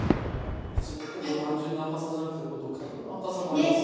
いちごって単純な赤さじゃなくてこう独特な赤さがありますよね。ね！